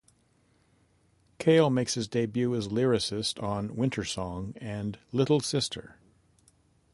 Cale makes his debut as lyricist on "Winter Song" and "Little Sister".